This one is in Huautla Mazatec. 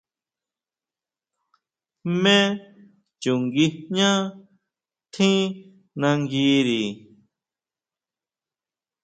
¿Jmé chu nguijñá tjín nanguiri?